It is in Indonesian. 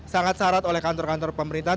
sangat syarat oleh kantor kantor pemerintahan